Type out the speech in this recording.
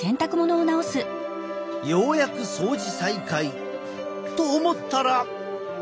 ようやく掃除再開と思ったら。